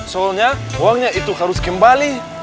soalnya uangnya itu harus kembali